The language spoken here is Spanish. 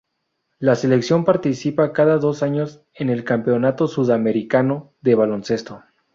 La selección participa cada dos años en el Campeonato Sudamericano de Baloncesto.